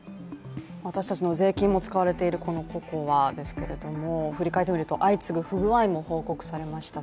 私たちの税金の使われているこのＣＯＣＯＡですけれども振り返ってみると相次ぐ不具合も報告されました。